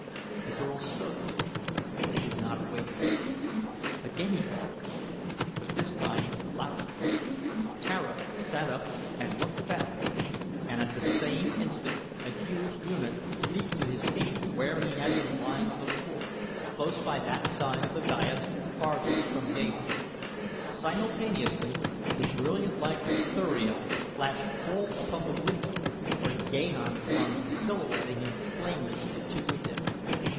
The girl stirred, but did not awaken. Again he called, but this time louder. Tara sat up and looked about and at the same instant a huge eunuch leaped to his feet from where he had been lying on the floor close by that side of the dais farthest from Gahan. Simultaneously the brilliant light of Thuria flashed full upon the window where Gahan clung silhouetting him plainly to the two within.